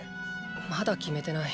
まだ決めてない。